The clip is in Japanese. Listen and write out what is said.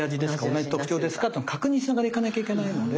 同じ特徴ですか？と確認しながらいかなきゃいけないので。